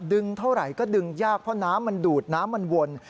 เท่าไหร่ก็ดึงยากเพราะน้ำมันดูดน้ำมันวน